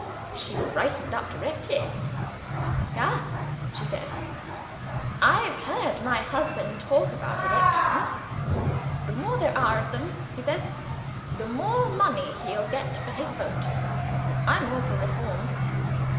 She brightened up directly. 'Ah,' she said, 'I've heard my husband talk about elections. The more there are of them (he says) the more money he'll get for his vote. I'm all for reform.